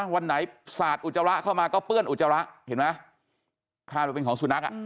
วันไหนสาดอุจจาระเข้ามาก็เปื้อนอุจจาระเห็นไหมคาดว่าเป็นของสุนัข